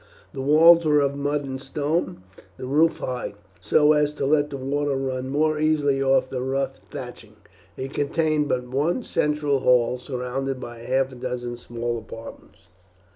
The walls were of mud and stone, the roof high, so as to let the water run more easily off the rough thatching. It contained but one central hall surrounded by half a dozen small apartments.